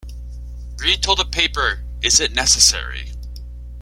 Reed told the paper, Is it necessary?